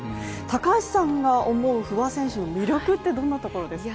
高橋さんが思う不破選手の魅力はどんなところですか？